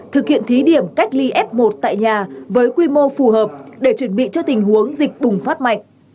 thực hiện thí điểm cách ly f một tại nhà với quy mô phù hợp để chuẩn bị cho tình huống dịch bùng phát mạnh